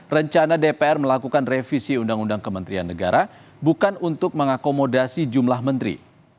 rencana dpr melakukan revisi undang undang kementerian negara bukan untuk mengakomodasi jumlah menteri